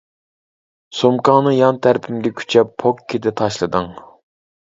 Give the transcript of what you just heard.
سومكاڭنى يان تەرىپىمگە كۈچەپ «پوككىدە» تاشلىدىڭ.